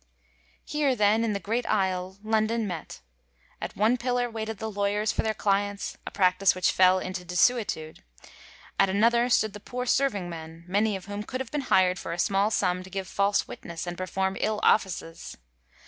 Here, then, in the great aisle ^ London met; at one pillar waited the lawyers for their clients,— a practice which fell into desuetude; at another stood the poor serving men, many of whom could have been hired for a small sum to give false witness and perform ill offices.